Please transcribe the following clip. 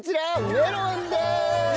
メロンです！